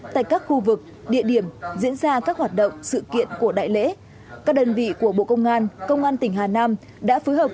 tại các khu vực địa điểm diễn ra các hoạt động sự kiện của đại lễ các đơn vị của bộ công an công an tỉnh hà nam đã phối hợp